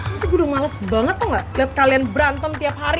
masih gua udah males banget tau gak liat kalian berantem tiap hari